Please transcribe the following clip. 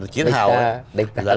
chiến hào á